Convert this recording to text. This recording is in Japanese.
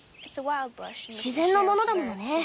自然のものだものね。